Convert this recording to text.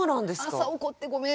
朝怒ってごめん。